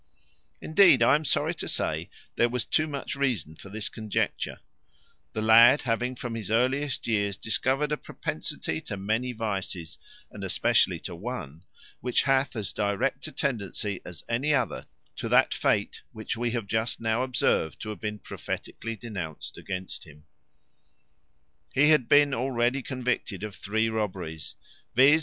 Indeed, I am sorry to say there was too much reason for this conjecture; the lad having from his earliest years discovered a propensity to many vices, and especially to one which hath as direct a tendency as any other to that fate which we have just now observed to have been prophetically denounced against him: he had been already convicted of three robberies, viz.